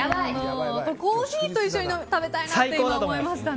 コーヒーと一緒に食べたいなと思いました。